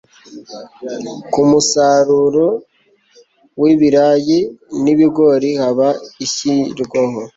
ku musaruro w ibirayi n ibigori haba ku ishyirwaho